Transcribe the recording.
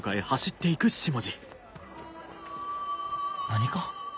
何か？